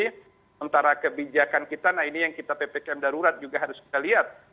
sementara kebijakan kita nah ini yang kita ppkm darurat juga harus kita lihat